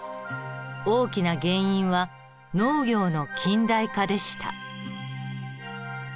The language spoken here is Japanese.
大きな原因は農業の近代化でした。